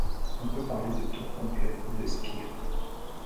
On peut parler de tour complet ou de spire.